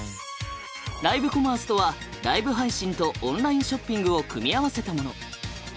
ライブコマースとはライブ配信とオンラインショッピングを組み合わせたもの。